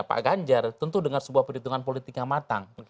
pak ganjar tentu dengan sebuah perhitungan politik yang matang